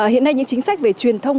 hiện nay những chính sách về truyền thông